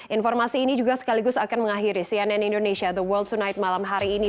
informasi ini juga sekaligus akan mengakhiri cnn indonesia the world tonight malam hari ini